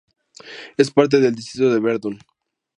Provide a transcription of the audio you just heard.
Es parte del distrito de Verdun.